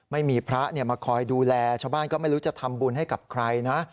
ไม่มีพระมาคอยดูแลชาวบ้านก็ไม่รู้จะทำบุญให้กับใครนะ